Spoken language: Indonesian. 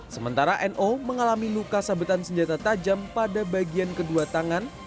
sementara no mengalami luka sabetan senjata tajam pada bagian kedua tangan